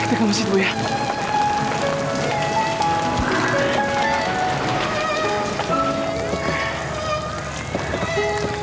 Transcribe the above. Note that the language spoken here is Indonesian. ada meski di buah